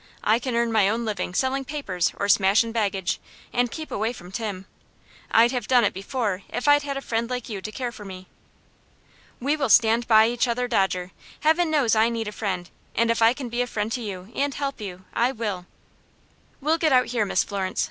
I can earn my own livin' sellin' papers, or smashin' baggage, and keep away from Tim. I'd have done it before if I'd had a friend like you to care for me." "We will stand by each other, Dodger. Heaven knows I need a friend, and if I can be a friend to you, and help you, I will." "We'll get out here, Miss Florence.